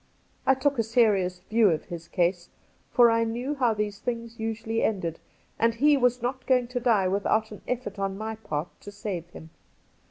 I took a serious view of his case, for I knew how these things usually ended, and he was not going to die without an effort on my part to save him.